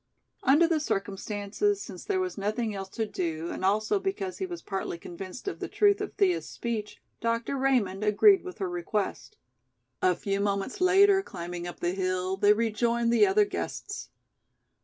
Under the circumstances, since there was nothing else to do and also because he was partly convinced of the truth of Thea's speech, Dr. Raymond agreed with her request. A few moments later, climbing up the hill, they rejoined the other guests.